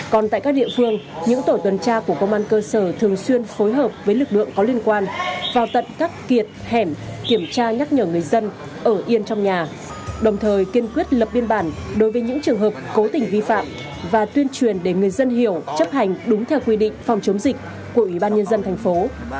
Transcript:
còn tại các địa phương những tổ tuần tra của công an cơ sở thường xuyên phối hợp với lực lượng có liên quan vào tận các kiệt hẻm kiểm tra nhắc nhở người dân ở yên trong nhà đồng thời kiên quyết lập biên bản đối với những trường hợp cố tình vi phạm và tuyên truyền để người dân hiểu chấp hành đúng theo quy định phòng chống dịch của ủy ban nhân dân thành phố